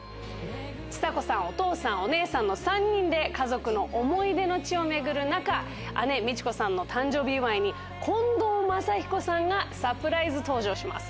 ちさ子さん、お父さん、お姉さんの３人で家族の思い出の地を巡る中、姉・未知子さんの誕生日祝いに近藤真彦さんがサプライズ登場します。